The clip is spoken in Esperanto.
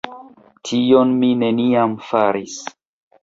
Tion mi neniam faris.